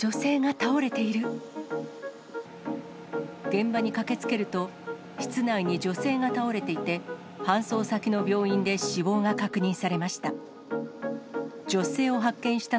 現場に駆けつけると、室内に女性が倒れていて、搬送先の病院で死亡が確認されました。